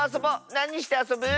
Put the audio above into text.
なにしてあそぶ？